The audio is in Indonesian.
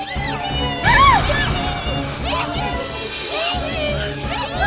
selamat datang anakku